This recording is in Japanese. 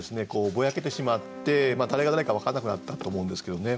ぼやけてしまって誰が誰か分からなくなったと思うんですけどもね